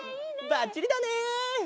ばっちりだね！